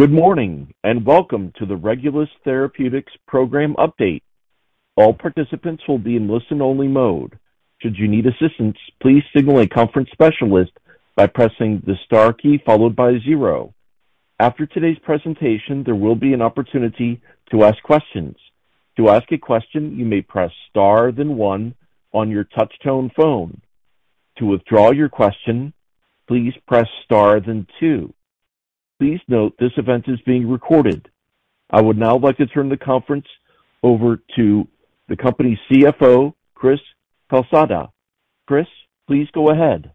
Good morning, and welcome to the Regulus Therapeutics program update. All participants will be in listen-only mode. Should you need assistance, please signal a conference specialist by pressing the star key followed by zero. After today's presentation, there will be an opportunity to ask questions. To ask a question, you may press star, then one on your touchtone phone. To withdraw your question, please press star, then two. Please note, this event is being recorded. I would now like to turn the conference over to the company's CFO, Cris Calsada. Cris, please go ahead.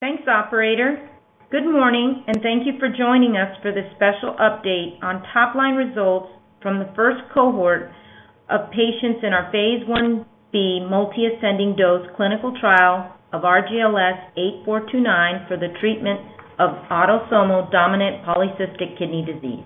Thanks, operator. Good morning, and thank you for joining us for this special update on top-line results from the first cohort of patients in our Phase 1b multi-ascending dose clinical trial of RGLS8429 for the treatment of autosomal dominant polycystic kidney disease.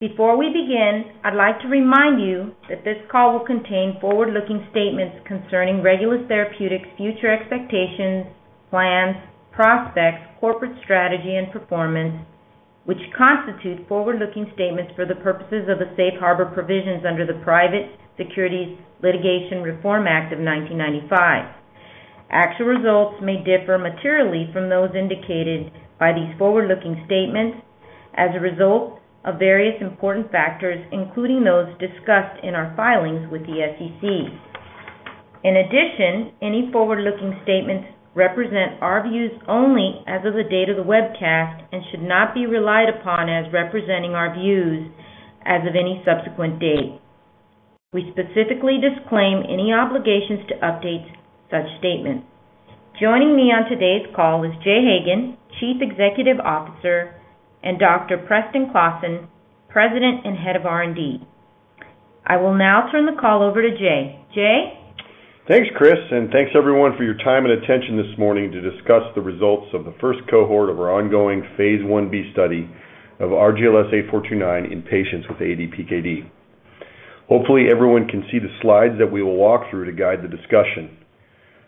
Before we begin, I'd like to remind you that this call will contain forward-looking statements concerning Regulus Therapeutics' future expectations, plans, prospects, corporate strategy, and performance, which constitute forward-looking statements for the purposes of the Safe Harbor Provisions under the Private Securities Litigation Reform Act of 1995. Actual results may differ materially from those indicated by these forward-looking statements as a result of various important factors, including those discussed in our filings with the SEC. In addition, any forward-looking statements represent our views only as of the date of the webcast and should not be relied upon as representing our views as of any subsequent date. We specifically disclaim any obligations to update such statements. Joining me on today's call is Jay Hagan, Chief Executive Officer, and Dr. Preston Klassen, President and Head of R&D. I will now turn the call over to Jay. Jay? Thanks, Cris, and thanks, everyone, for your time and attention this morning to discuss the results of the first cohort of our ongoing Phase 1b study of RGLS8429 in patients with ADPKD. Hopefully, everyone can see the slides that we will walk through to guide the discussion.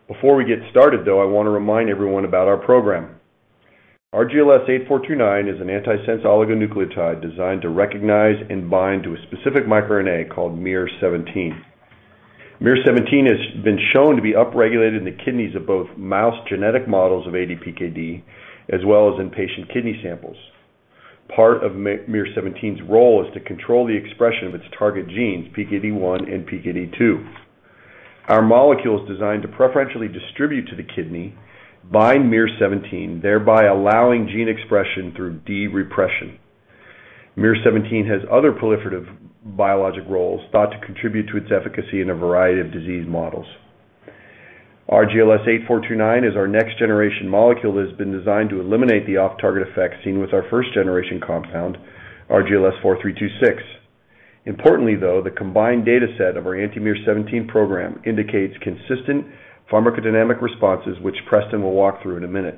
Before we get started, though, I want to remind everyone about our program. RGLS8429 is an antisense oligonucleotide designed to recognize and bind to a specific microRNA called miR-17. miR-17 has been shown to be upregulated in the kidneys of both mouse genetic models of ADPKD, as well as in patient kidney samples. Part of miR-17's role is to control the expression of its target genes, PKD1 and PKD2. Our molecule is designed to preferentially distribute to the kidney, bind miR-17, thereby allowing gene expression through de-repression. miR-17 has other proliferative biologic roles, thought to contribute to its efficacy in a variety of disease models. RGLS8429 is our next-generation molecule that has been designed to eliminate the off-target effects seen with our first-generation compound, RGLS4326. Importantly, though, the combined data set of our anti-miR-17 program indicates consistent pharmacodynamic responses, which Preston will walk through in a minute.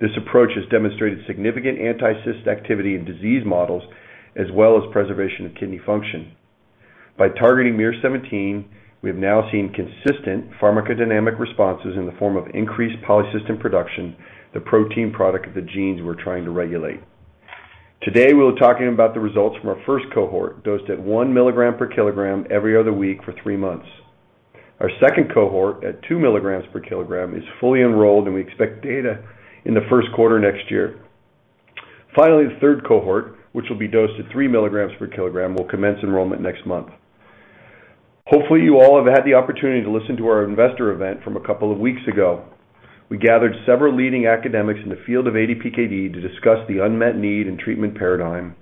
This approach has demonstrated significant anti-cyst activity in disease models, as well as preservation of kidney function. By targeting miR-17, we have now seen consistent pharmacodynamic responses in the form of increased polycystin production, the protein product of the genes we're trying to regulate. Today, we're talking about the results from our first cohort, dosed at 1 mg per kg every other week for 3 months. Our second cohort at 2 milligrams per kilogram is fully enrolled, and we expect data in the first quarter next year. Finally, the third cohort, which will be dosed at 3 milligrams per kilogram, will commence enrollment next month. Hopefully, you all have had the opportunity to listen to our investor event from a couple of weeks ago. We gathered several leading academics in the field of ADPKD to discuss the unmet need and treatment paradigm,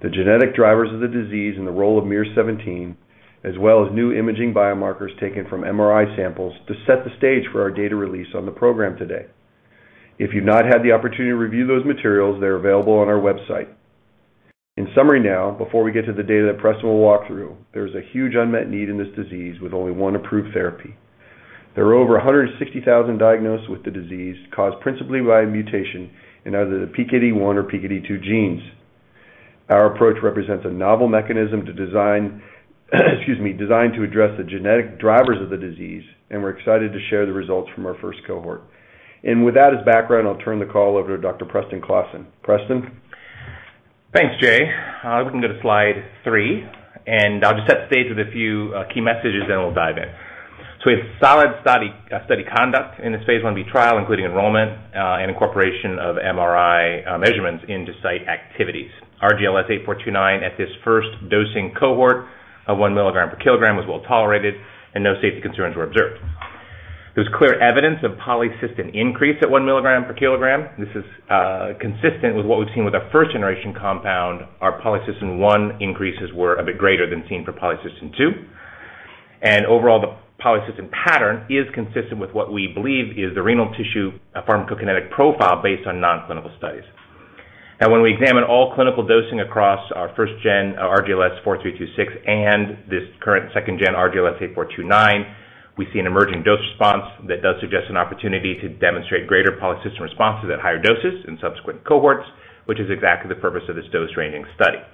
the genetic drivers of the disease, and the role of miR-17, as well as new imaging biomarkers taken from MRI samples to set the stage for our data release on the program today. If you've not had the opportunity to review those materials, they're available on our website. In summary now, before we get to the data that Preston will walk through, there's a huge unmet need in this disease with only one approved therapy. There are over 160,000 diagnosed with the disease, caused principally by a mutation in either the PKD1 or PKD2 genes. Our approach represents a novel mechanism to design, excuse me, designed to address the genetic drivers of the disease, and we're excited to share the results from our first cohort. With that as background, I'll turn the call over to Dr. Preston Klassen. Preston? Thanks, Jay. We can go to Slide 3, and I'll just set the stage with a few key messages, then we'll dive in. So we have solid study conduct in this Phase 1b trial, including enrollment, and incorporation of MRI measurements into site activities. RGLS8429 at this first dosing cohort of 1 mg/kg was well tolerated and no safety concerns were observed. There's clear evidence of polycystin increase at 1 mg/kg. This is consistent with what we've seen with our first-generation compound. Our polycystin-1 increases were a bit greater than seen for polycystin-2. And overall, the polycystin pattern is consistent with what we believe is the renal tissue pharmacokinetic profile based on non-clinical studies. When we examine all clinical dosing across our first-gen, RGLS4326, and this current second-gen, RGLS8429, we see an emerging dose response that does suggest an opportunity to demonstrate greater polycystin responses at higher doses in subsequent cohorts, which is exactly the purpose of this dose-ranging study.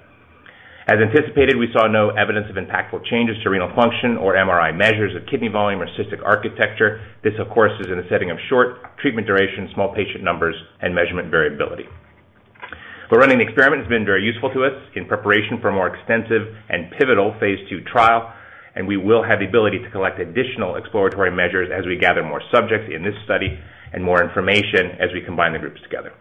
As anticipated, we saw no evidence of impactful changes to renal function or MRI measures of kidney volume or cystic architecture. This, of course, is in a setting of short treatment duration, small patient numbers, and measurement variability. But running the experiment has been very useful to us in preparation for a more extensive and pivotal Phase 2 trial, and we will have the ability to collect additional exploratory measures as we gather more subjects in this study and more information as we combine the groups together.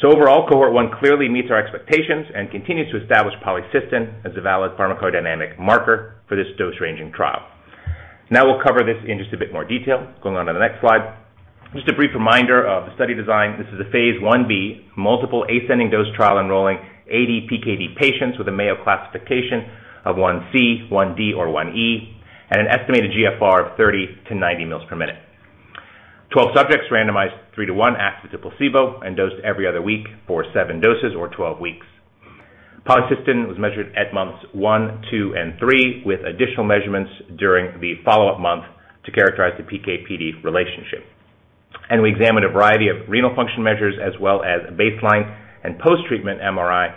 So overall, cohort 1 clearly meets our expectations and continues to establish polycystin as a valid pharmacodynamic marker for this dose-ranging trial. Now we'll cover this in just a bit more detail. Going on to the next slide. Just a brief reminder of the study design. This is a Phase 1b, multiple ascending dose trial, enrolling ADPKD patients with a Mayo Classification of 1C, 1D, or 1E, and an estimated GFR of 30-90 mL/min. 12 subjects randomized 3 to 1 active to placebo and dosed every other week for 7 doses or 12 weeks. polycystin was measured at months 1, 2, and 3, with additional measurements during the follow-up month to characterize the PK/PD relationship. We examined a variety of renal function measures as well as baseline and post-treatment MRI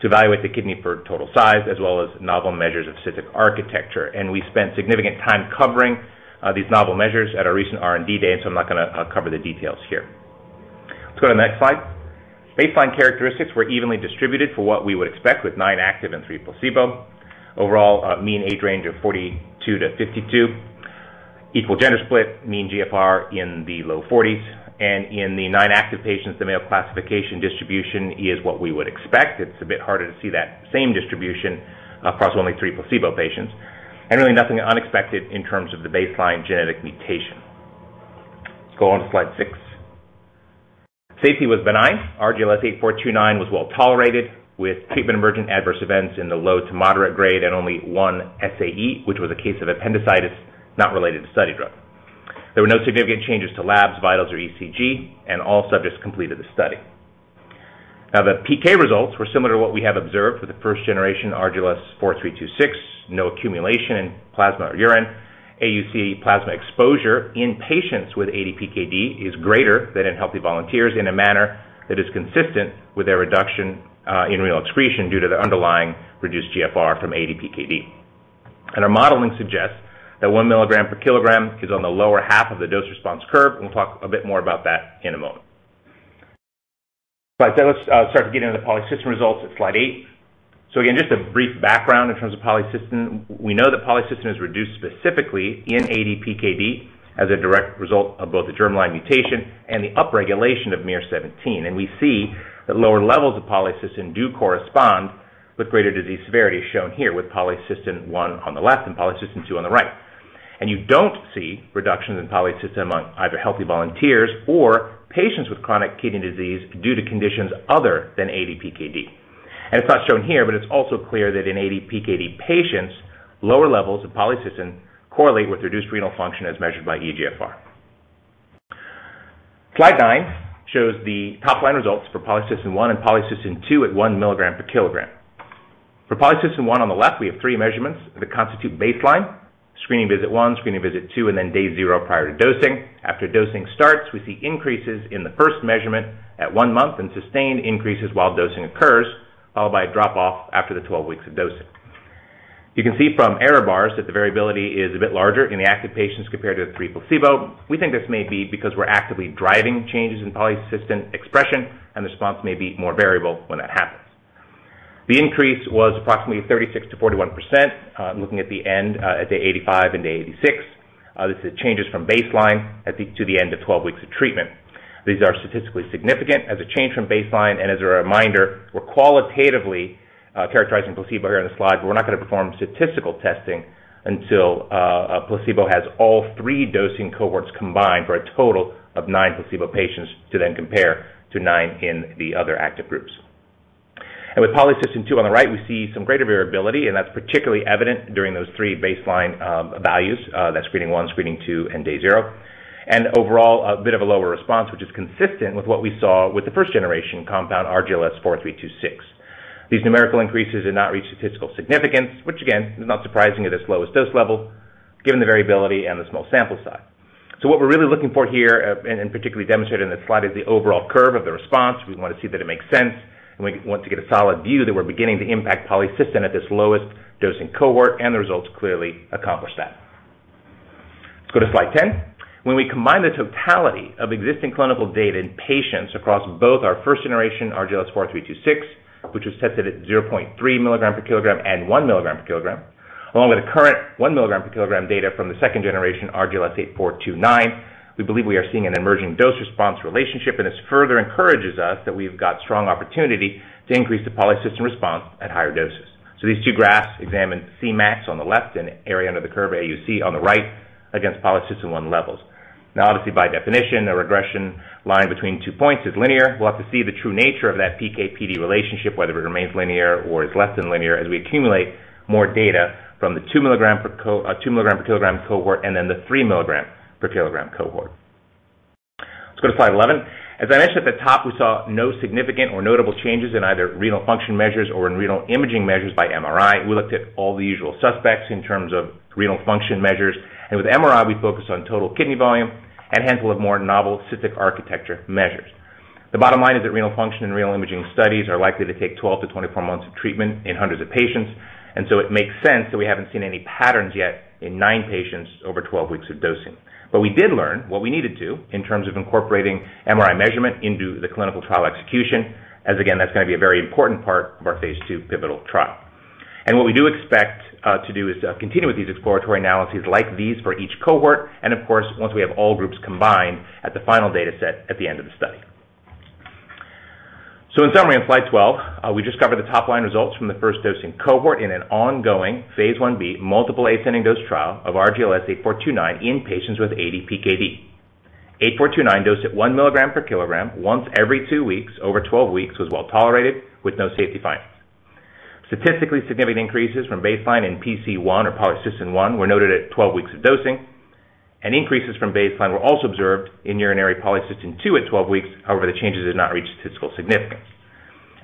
to evaluate the kidney for total size, as well as novel measures of cystic architecture. We spent significant time covering these novel measures at our recent R&D Day, so I'm not gonna cover the details here. Let's go to the next slide. Baseline characteristics were evenly distributed for what we would expect, with 9 active and 3 placebo. Overall, a mean age range of 42-52. Equal gender split, mean GFR in the low forties, and in the 9 active patients, the Mayo classification distribution is what we would expect. It's a bit harder to see that same distribution across only 3 placebo patients, and really nothing unexpected in terms of the baseline genetic mutation. Let's go on to Slide 6. Safety was benign. RGLS8429 was well-tolerated, with treatment-emergent adverse events in the low to moderate grade and only one SAE, which was a case of appendicitis not related to study drug. There were no significant changes to labs, vitals, or ECG, and all subjects completed the study. Now, the PK results were similar to what we have observed with the first generation, RGLS4326. No accumulation in plasma or urine. AUC plasma exposure in patients with ADPKD is greater than in healthy volunteers in a manner that is consistent with a reduction in renal excretion due to the underlying reduced GFR from ADPKD. And our modeling suggests that one milligram per kilogram is on the lower half of the dose response curve, and we'll talk a bit more about that in a moment. But let's start to get into the polycystin results at Slide 8. So again, just a brief background in terms of polycystin. We know that polycystin is reduced specifically in ADPKD as a direct result of both the germline mutation and the upregulation of miR-17. And we see that lower levels of polycystin do correspond with greater disease severity, shown here with polycystin-1 on the left and polycystin-2 on the right. And you don't see reductions in polycystin among either healthy volunteers or patients with chronic kidney disease due to conditions other than ADPKD. And it's not shown here, but it's also clear that in ADPKD patients, lower levels of polycystin correlate with reduced renal function as measured by eGFR. Slide 9 shows the top-line results for polycystin-1 and polycystin-2 at 1 milligram per kilogram. For polycystin-1 on the left, we have three measurements that constitute baseline: screening visit one, screening visit two, and then day zero prior to dosing. After dosing starts, we see increases in the first measurement at one month and sustained increases while dosing occurs, followed by a drop-off after the 12 weeks of dosing. You can see from the error bars that the variability is a bit larger in the active patients compared to the three placebo. We think this may be because we're actively driving changes in polycystin expression, and the response may be more variable when that happens. The increase was approximately 36%-41%. Looking at the end, at day 85 and day 86, this is changes from baseline, I think, to the end of 12 weeks of treatment. These are statistically significant as a change from baseline and as a reminder, we're qualitatively characterizing placebo here on the slide, but we're not going to perform statistical testing until placebo has all 3 dosing cohorts combined for a total of 9 placebo patients, to then compare to 9 in the other active groups. And with polycystin-2 on the right, we see some greater variability, and that's particularly evident during those 3 baseline values. That's screening 1, screening 2, and day 0. And overall, a bit of a lower response, which is consistent with what we saw with the first-generation compound, RGLS4326. These numerical increases did not reach statistical significance, which again, is not surprising at this lowest dose level, given the variability and the small sample size. What we're really looking for here, and particularly demonstrated in this slide, is the overall curve of the response. We want to see that it makes sense, and we want to get a solid view that we're beginning to impact polycystin at this lowest dosing cohort, and the results clearly accomplish that. Let's go to Slide 10. When we combine the totality of existing clinical data in patients across both our first-generation RGLS4326, which was tested at 0.3 mg per kg and 1 mg per kg, along with the current 1 mg per kg data from the second generation, RGLS8429, we believe we are seeing an emerging dose-response relationship and this further encourages us that we've got strong opportunity to increase the polycystin response at higher doses. These two graphs examine Cmax on the left and area under the curve, AUC, on the right against polycystin-1 levels. Now, obviously, by definition, the regression line between two points is linear. We'll have to see the true nature of that PK/PD relationship, whether it remains linear or is less than linear, as we accumulate more data from the 2 mg per kg cohort and then the 3 mg per kg cohort. Let's go to Slide 11. As I mentioned at the top, we saw no significant or notable changes in either renal function measures or in renal imaging measures by MRI. We looked at all the usual suspects in terms of renal function measures, and with MRI, we focused on total kidney volume and a handful of more novel cystic architecture measures. The bottom line is that renal function and renal imaging studies are likely to take 12-24 months of treatment in hundreds of patients, and so it makes sense that we haven't seen any patterns yet in nine patients over 12 weeks of dosing. But we did learn what we needed to in terms of incorporating MRI measurement into the clinical trial execution, as again, that's going to be a very important part of our Phase 2 pivotal trial. And what we do expect to do is continue with these exploratory analyses like these for each cohort, and of course, once we have all groups combined at the final data set at the end of the study. In summary, on Slide 12, we just covered the top line results from the first dosing cohort in an ongoing Phase 1b multiple ascending dose trial of RGLS8429 in patients with ADPKD. 8429 dosed at 1 mg per kg once every two weeks over 12 weeks was well tolerated with no safety findings. Statistically significant increases from baseline in PC1, or polycystin-1, were noted at 12 weeks of dosing, and increases from baseline were also observed in urinary polycystin-2 at 12 weeks. However, the changes did not reach statistical significance.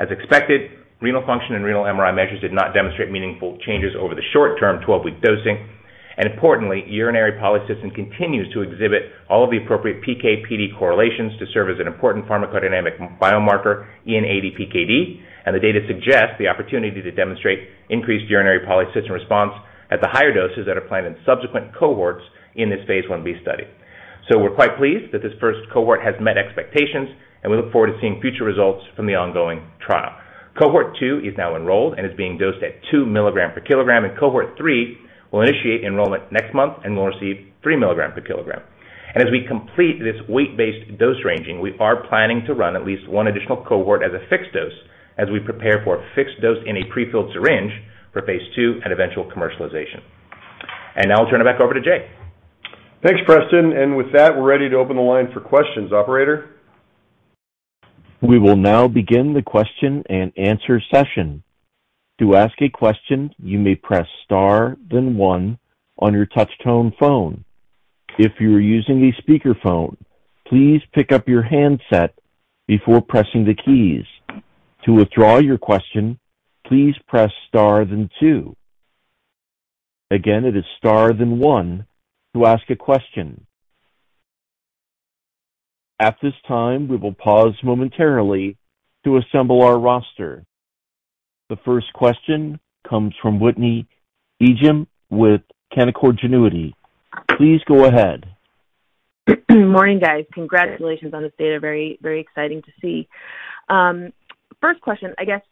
As expected, renal function and renal MRI measures did not demonstrate meaningful changes over the short-term 12-week dosing. Importantly, urinary polycystin continues to exhibit all of the appropriate PKPD correlations to serve as an important pharmacodynamic biomarker in ADPKD, and the data suggests the opportunity to demonstrate increased urinary polycystin response at the higher doses that are planned in subsequent cohorts in this Phase 1b study. We're quite pleased that this first cohort has met expectations, and we look forward to seeing future results from the ongoing trial. Cohort 2 is now enrolled and is being dosed at 2 mg/kg, and cohort 3 will initiate enrollment next month and will receive 3 mg/kg. As we complete this weight-based dose ranging, we are planning to run at least one additional cohort as a fixed dose as we prepare for a fixed dose in a pre-filled syringe for Phase 2 and eventual commercialization. Now I'll turn it back over to Jay. Thanks, Preston. And with that, we're ready to open the line for questions. Operator? We will now begin the question and answer session. To ask a question, you may press star, then one on your touch tone phone. If you are using a speakerphone, please pick up your handset before pressing the keys. To withdraw your question, please press star, then two. Again, it is star, then one to ask a question. At this time, we will pause momentarily to assemble our roster. The first question comes from Whitney Ijem with Canaccord Genuity. Please go ahead. Morning, guys. Congratulations on this data. Very, very exciting to see. First question, I guess.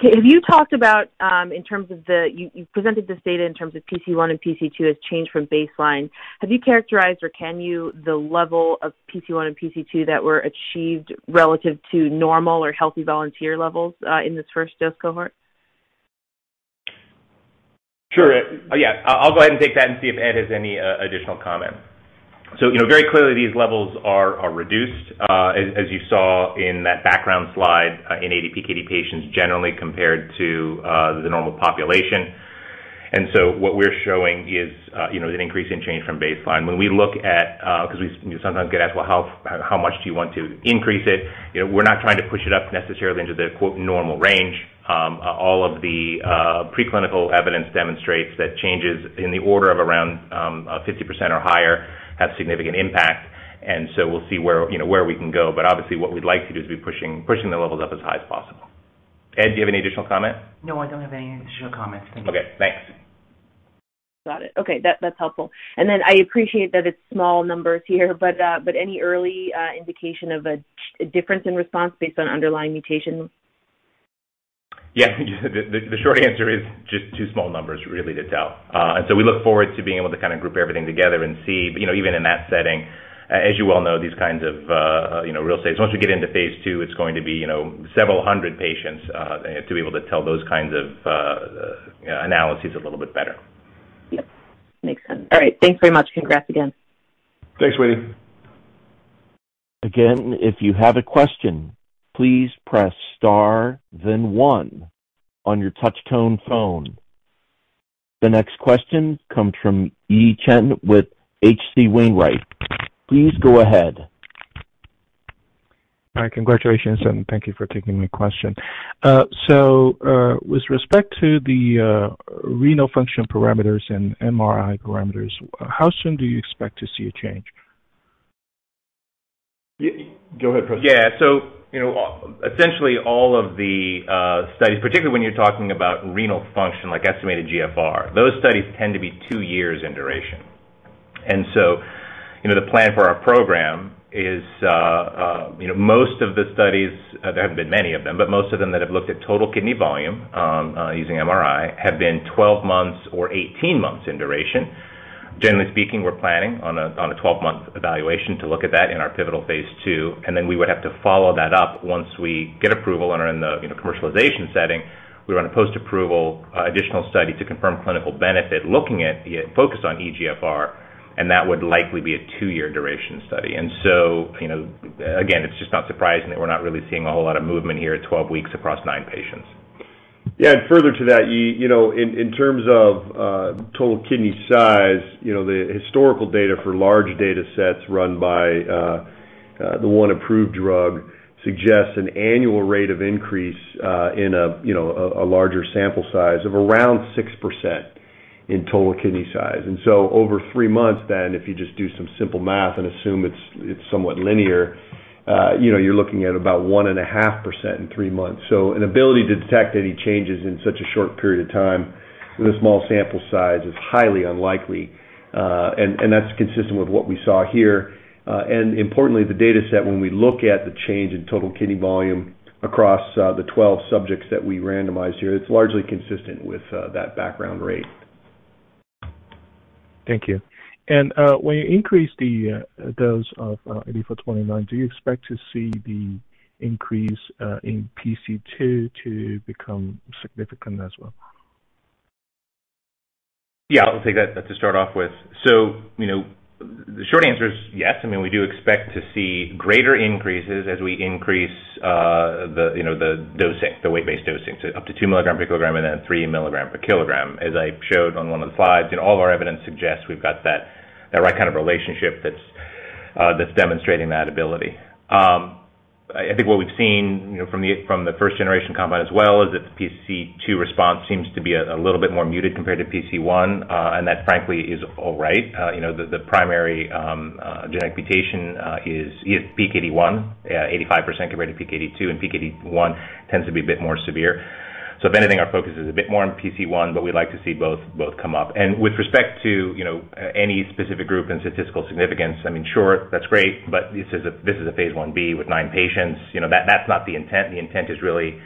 Have you talked about, in terms of the... You presented this data in terms of PC1 and PC2 as change from baseline. Have you characterized, or can you, the level of PC1 and PC2 that were achieved relative to normal or healthy volunteer levels, in this first dose cohort? Sure. Yeah, I'll go ahead and take that and see if Ed has any additional comment. So, you know, very clearly these levels are reduced as you saw in that background slide in ADPKD patients generally compared to the normal population. And so what we're showing is, you know, an increase in change from baseline. When we look at, because we sometimes get asked, well, how much do you want to increase it? You know, we're not trying to push it up necessarily into the quote, "normal range." All of the preclinical evidence demonstrates that changes in the order of around 50% or higher have significant impact, and so we'll see where, you know, where we can go. But obviously, what we'd like to do is be pushing the levels up as high as possible. Ed, do you have any additional comment? No, I don't have any additional comments. Okay, thanks. Got it. Okay, that's helpful. I appreciate that it's small numbers here, but any early indication of a difference in response based on underlying mutation? Yeah, the short answer is just too small numbers really to tell. So we look forward to being able to kind of group everything together and see. But, you know, even in that setting, as you well know, these kinds of, you know, real stats, once we get into Phase 2, it's going to be, you know, several hundred patients, to be able to tell those kinds of analyses a little bit better. Yep. Makes sense. All right. Thanks very much. Congrats again. Thanks, Whitney. Again, if you have a question, please press star, then one on your touch tone phone. The next question comes from Yi Chen with H.C. Wainwright. Please go ahead. Hi. Congratulations, and thank you for taking my question. So, with respect to the renal function parameters and MRI parameters, how soon do you expect to see a change? Go ahead, Preston. Yeah, so you know, essentially all of the studies, particularly when you're talking about renal function, like estimated GFR, those studies tend to be two years in duration. So, you know, the plan for our program is, you know, most of the studies, there haven't been many of them, but most of them that have looked at total kidney volume, using MRI, have been 12 months or 18 months in duration. Generally speaking, we're planning on a 12-month evaluation to look at that in our pivotal Phase 2, and then we would have to follow that up once we get approval and are in the, you know, commercialization setting. We run a post-approval additional study to confirm clinical benefit, looking at the focus on eGFR, and that would likely be a two-year duration study. And so, you know, again, it's just not surprising that we're not really seeing a whole lot of movement here at 12 weeks across 9 patients. ... Yeah, and further to that, Yi, you know, in terms of total kidney size, you know, the historical data for large data sets run by the one approved drug suggests an annual rate of increase in a larger sample size of around 6% in total kidney size. And so over three months then, if you just do some simple math and assume it's somewhat linear, you know, you're looking at about 1.5% in three months. So an ability to detect any changes in such a short period of time with a small sample size is highly unlikely. And that's consistent with what we saw here. And importantly, the data set, when we look at the change in total kidney volume across the 12 subjects that we randomized here, it's largely consistent with that background rate. Thank you. When you increase the dose of 8429, do you expect to see the increase in PC2 to become significant as well? Yeah, I'll take that, to start off with. You know, the short answer is yes. I mean, we do expect to see greater increases as we increase the, you know, the dosing, the weight-based dosing, to up to 2 milligram per kilogram and then 3 milligram per kilogram. As I showed on one of the slides, you know, all of our evidence suggests we've got that, that right kind of relationship that's demonstrating that ability. I think what we've seen, you know, from the first-generation compound as well, is that the PC2 response seems to be a little bit more muted compared to PC1. That, frankly, is all right. You know, the primary genetic mutation is PKD1, 85% compared to PKD2, and PKD1 tends to be a bit more severe. So if anything, our focus is a bit more on PC1, but we'd like to see both, both come up. And with respect to, you know, any specific group and statistical significance, I mean, sure, that's great, but this is a Phase 1b with nine patients. You know, that's not the intent. The intent is really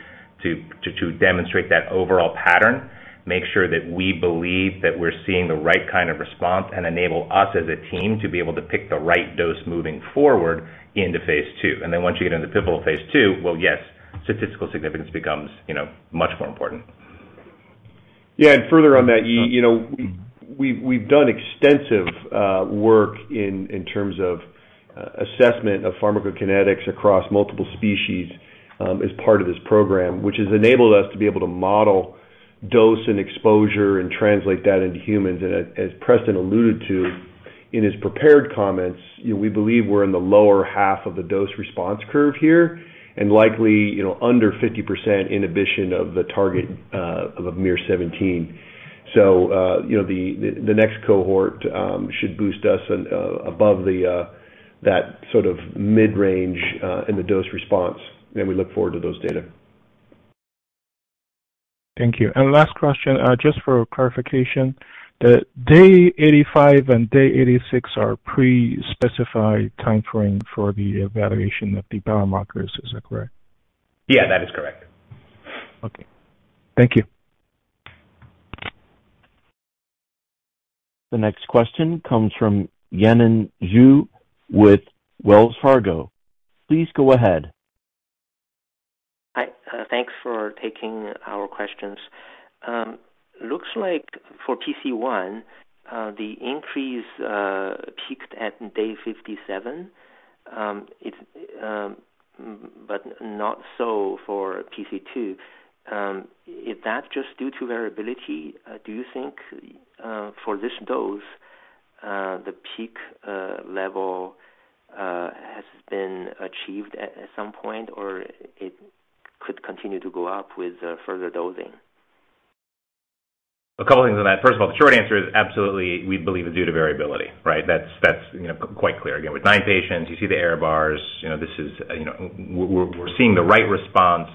to demonstrate that overall pattern, make sure that we believe that we're seeing the right kind of response, and enable us as a team to be able to pick the right dose moving forward into Phase 2. And then once you get into the pivotal Phase 2, well, yes, statistical significance becomes, you know, much more important. Yeah, and further on that, Yi, you know, we've done extensive work in terms of assessment of pharmacokinetics across multiple species, as part of this program, which has enabled us to be able to model dose and exposure and translate that into humans. And as Preston alluded to in his prepared comments, you know, we believe we're in the lower half of the dose-response curve here, and likely, you know, under 50% inhibition of the target of miR-17. So, you know, the next cohort should boost us above that sort of mid-range in the dose response, and we look forward to those data. Thank you. Last question, just for clarification, the day 85 and day 86 are pre-specified time frame for the evaluation of the biomarkers. Is that correct? Yeah, that is correct. Okay. Thank you. The next question comes from Yanan Zhu with Wells Fargo. Please go ahead. Hi, thanks for taking our questions. Looks like for PC1, the increase peaked at day 57, it's but not so for PC2. Is that just due to variability? Do you think, for this dose, the peak level has been achieved at some point, or it could continue to go up with further dosing? A couple things on that. First of all, the short answer is absolutely, we believe it's due to variability, right? That's, that's, you know, quite clear. Again, with 9 patients, you see the error bars, you know, this is, you know... We're seeing the right response,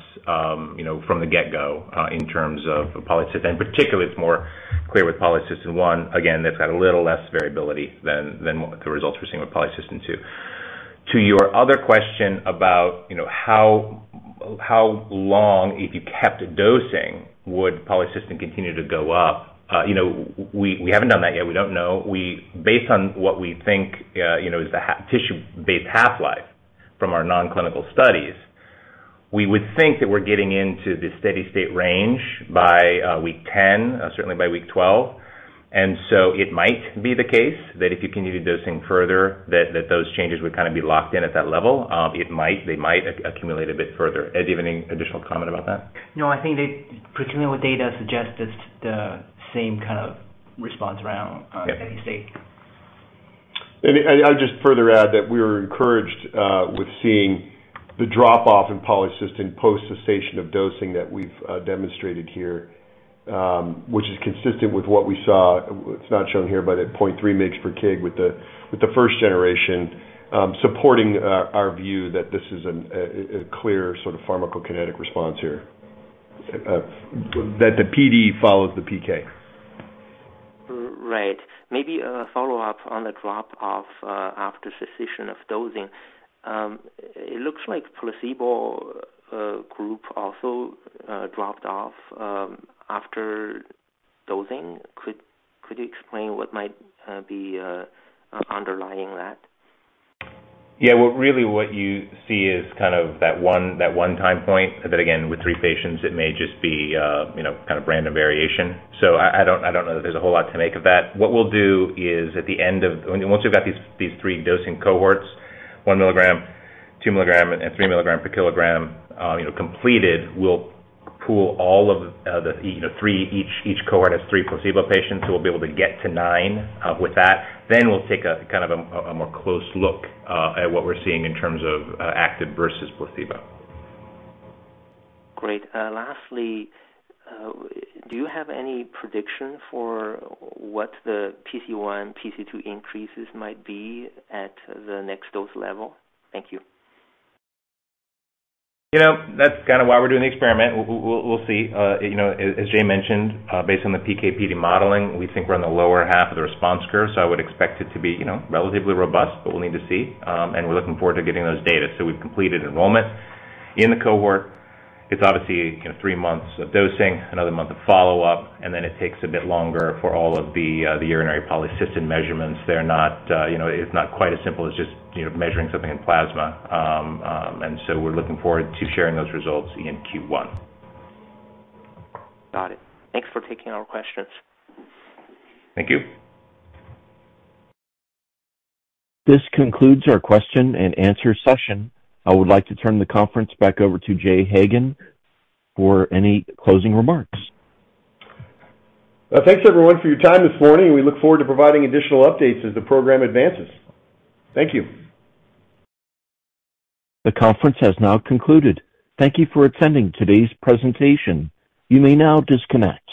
you know, from the get-go, you know, in terms of polycystic, and particularly, it's more clear with polycystin-1. Again, that's got a little less variability than the results we're seeing with polycystin-2. To your other question about, you know, how long, if you kept dosing, would polycystin continue to go up? You know, we haven't done that yet. We don't know. Based on what we think, you know, is the tissue-based half-life from our non-clinical studies, we would think that we're getting into the steady-state range by week 10, certainly by week 12. And so it might be the case that if you continue dosing further that those changes would kind of be locked in at that level. It might, they might accumulate a bit further. Ed, do you have any additional comment about that? No, I think the preliminary data suggests it's the same kind of response around, steady state. I'll just further add that we were encouraged with seeing the drop-off in polycystin post cessation of dosing that we've demonstrated here, which is consistent with what we saw. It's not shown here, but at 0.3 mg per kg with the first generation, supporting our view that this is a clear sort of pharmacokinetic response here. That the PD follows the PK. Right. Maybe a follow-up on the drop-off after cessation of dosing. It looks like placebo group also dropped off after dosing. Could you explain what might be underlying that? Yeah. Well, really what you see is kind of that one, that one time point. But then again, with 3 patients, it may just be, you know, kind of random variation. So I, I don't, I don't know that there's a whole lot to make of that. What we'll do is, at the end of... Once we've got these, these 3 dosing cohorts, 1 milligram, 2 milligram, and 3 milligram per kilogram, you know, completed, we'll pool all of the, the, you know, 3 each. Each cohort has 3 placebo patients, so we'll be able to get to 9, with that. Then we'll take a kind of a, a more close look, at what we're seeing in terms of, active versus placebo. Great. Lastly, do you have any prediction for what the PC1, PC2 increases might be at the next dose level? Thank you. You know, that's kind of why we're doing the experiment. We'll see. You know, as Jay mentioned, based on the PK/PD modeling, we think we're in the lower half of the response curve, so I would expect it to be, you know, relatively robust, but we'll need to see. You know, we're looking forward to getting those data. We've completed enrollment in the cohort. It's obviously, you know, three months of dosing, another month of follow-up, and then it takes a bit longer for all of the urinary polycystin measurements. They're not, you know, it's not quite as simple as just, you know, measuring something in plasma. You know, we're looking forward to sharing those results in Q1. Got it. Thanks for taking our questions. Thank you. This concludes our question-and-answer session. I would like to turn the conference back over to Jay Hagan for any closing remarks. Thanks, everyone, for your time this morning, and we look forward to providing additional updates as the program advances. Thank you. The conference has now concluded. Thank you for attending today's presentation. You may now disconnect.